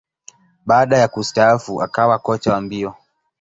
Baada ya kustaafu, akawa kocha wa mbio.